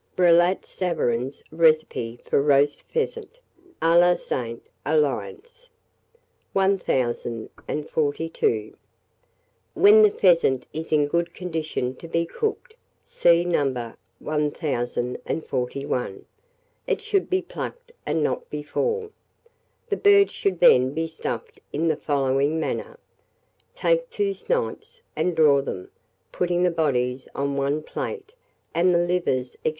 BRILLAT SAVARIN'S RECIPE FOR ROAST PHEASANT, a la Sainte Alliance. 1042. When the pheasant is in good condition to be cooked (see No. 1041), it should be plucked, and not before. The bird should then be stuffed in the following manner: Take two snipes, and draw them, putting the bodies on one plate, and the livers, &c.